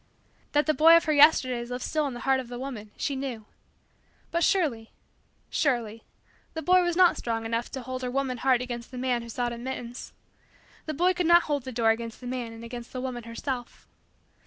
That the boy of her Yesterdays lived still in the heart of the woman, she knew. But surely surely the boy was not strong enough to hold her woman heart against the man who sought admittance. The boy could not hold the door against the man and against the woman herself.